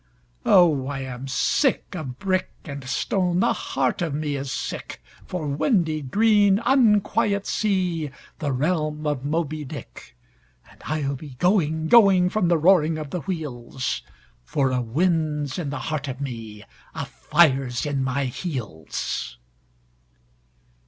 Oh I am sick of brick and stone, the heart of me is sick, For windy green, unquiet sea, the realm of Moby Dick; And I'll be going, going, from the roaring of the wheels, For a wind's in the heart of me, a fire's in my heels.